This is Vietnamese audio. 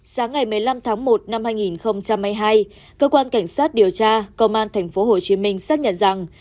sáng ngày một mươi năm tháng một năm hai nghìn hai mươi hai cơ quan cảnh sát điều tra công an tp hcm xác nhận rằng